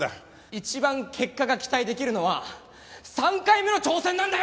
一番結果が期待できるのは３回目の挑戦なんだよ！